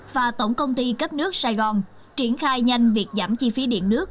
và tổng công ty cấp nước sài gòn triển khai nhanh việc giảm chi phí điện nước